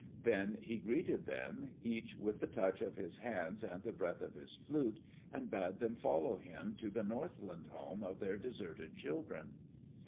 Then he greeted them, each with the touch of his hands and the breath of his flute, and bade them follow him to the northland home of their deserted children.